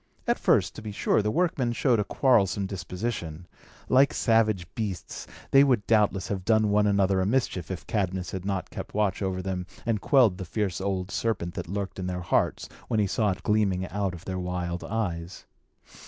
At first, to be sure, the workmen showed a quarrelsome disposition. Like savage beasts, they would doubtless have done one another a mischief, if Cadmus had not kept watch over them and quelled the fierce old serpent that lurked in their hearts, when he saw it gleaming out of their wild eyes.